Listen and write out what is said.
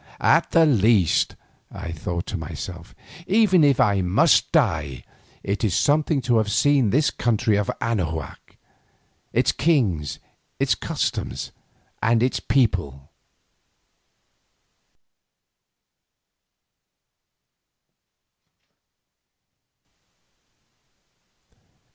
"At the least," I thought to myself, "even if I must die, it is something to have seen this country of Anahuac, its king, its customs, and its people."